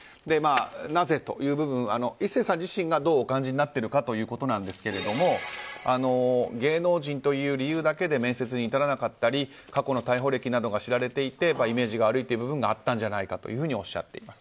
なぜという部分を壱成さん自身がどうお感じになっているかということなんですが芸能人という理由だけで面接に至らなかったり過去の逮捕歴などが知られていてイメージが悪いという部分が合ったんじゃないかというふうにおっしゃっています。